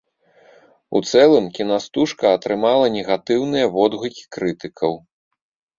У цэлым кінастужка атрымала негатыўныя водгукі крытыкаў.